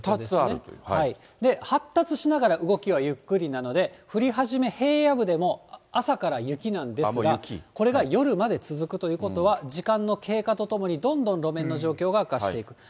発達しながら動きはゆっくりということなので、降り始め、平野部でも朝から雪なんですが、これが夜まで続くということは、時間の経過とともに、どんどん路面の状況が悪化していく。